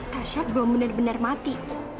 kasyat belum benar benar mati